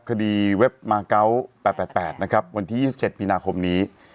คดีเว็บมาเกาะแป๊บแปดแปดนะครับวันที่ยี่สิบเจ็ดมีนาคมนี้